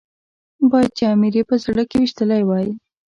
باید چې امیر یې په زړه کې ويشتلی وای.